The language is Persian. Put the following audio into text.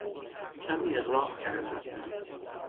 کمی اغراق کردم.